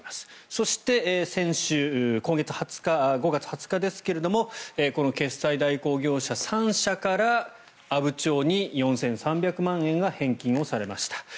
そして、先週今月２０日ですけれども決済代行業者３社から阿武町に４３００万円が返金をされました。